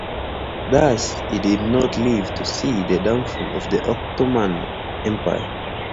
Thus, he did not live to see the downfall of the Ottoman Empire.